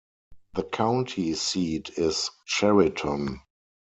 The county seat is Chariton.